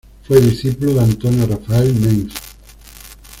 Fue discípulo de Antonio Rafael Mengs.